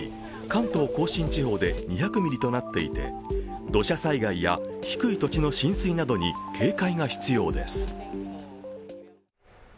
関東甲信地方で２００ミリとなっていて土砂災害や低い土地の浸水などに警戒が必要です。